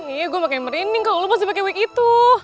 iya gue pake merinding kalau lo masih pake wig itu